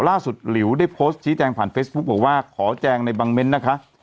หลิวได้โพสต์ชี้แจงผ่านเฟซบุ๊คบอกว่าขอแจงในบางเมนต์นะคะ